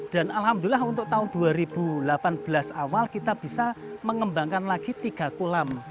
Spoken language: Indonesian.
alhamdulillah untuk tahun dua ribu delapan belas awal kita bisa mengembangkan lagi tiga kolam